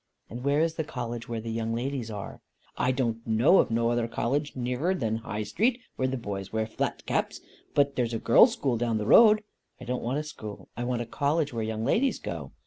"And where is the College where the young ladies are?" "I don't know of no other College nearer than High Street, where the boys wear flat caps. But there's a girls' school down the road." "I don't want a school. I want a College where young ladies go."